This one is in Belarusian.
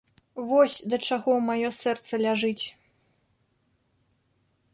Вось да чаго маё сэрца ляжыць.